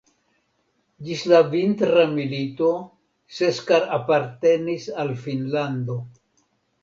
Ĝis la Vintra milito Seskar apartenis al Finnlando.